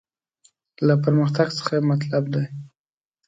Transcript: له پرمختګ څخه یې مطلب څه دی.